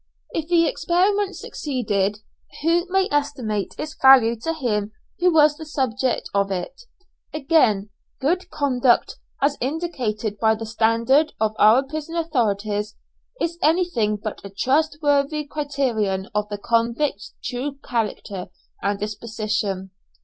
If the experiment succeeded, who may estimate its value to him who was the subject of it? Again, "good conduct," as indicated by the standard of our prison authorities, is anything but a trustworthy criterion of the convict's true character and disposition.